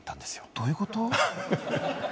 どういうこと？